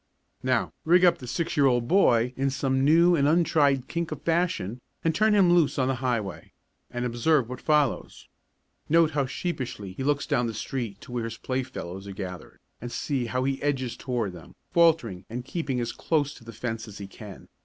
Now, rig up the six year old boy in some new and untried kink of fashion and turn him loose on the highway and observe what follows. Note how sheepishly he looks down the street to where his playfellows are gathered, and see how he edges toward them, faltering and keeping as close to the fence as he can.